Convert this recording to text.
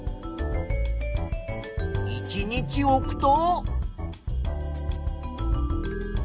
１日おくと。